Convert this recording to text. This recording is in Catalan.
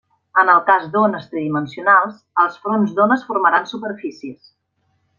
En el cas d'ones tridimensionals, els fronts d'ones formaran superfícies.